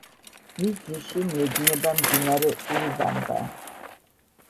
მის ძირში მიედინება მდინარე ურუბამბა.